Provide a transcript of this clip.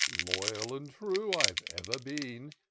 " Loyal and true I've ever been.